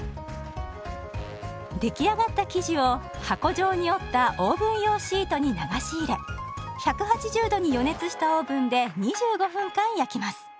出来上がった生地を箱状に折ったオーブン用シートに流し入れ１８０度に予熱したオーブンで２５分間焼きます。